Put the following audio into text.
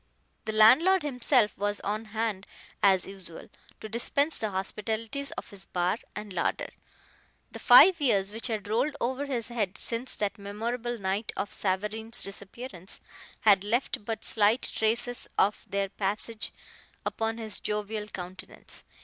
The landlord himself was on hand as usual, to dispense the hospitalities of his bar and larder. The five years which had rolled over his head since that memorable night of Savareen's disappearance had left but slight traces of their passage upon his jovial countenance.